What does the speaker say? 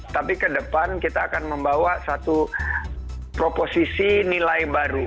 tapi kedepan kita akan membawa satu proposisi nilai baru